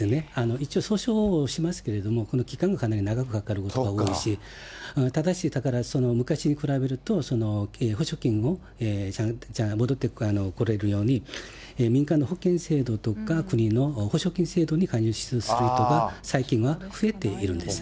一応訴訟もしますけれども、この期間がかなり長くかかるかもしれないし、ただし、昔に比べると保証金を、じゃあ戻ってこれるように、民間の保険制度とか国の保証金制度に加入する人が、最近は増えているんですね。